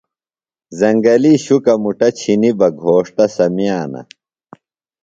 زنگلی شُکہ مُٹہ چِھنیۡ بےۡ گھوݜٹہ سمِیانہ۔